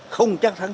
không chắc thắng